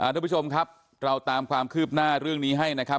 ทุกผู้ชมครับเราตามความคืบหน้าเรื่องนี้ให้นะครับ